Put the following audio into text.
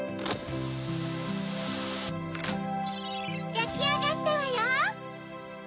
やきあがったわよ！